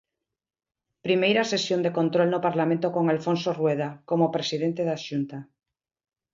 Primeira sesión de control no Parlamento con Alfonso Rueda como presidente da Xunta.